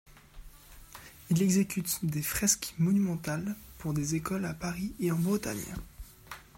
Il exécute des fresques monumentales pour des écoles à Paris et en Bretagne.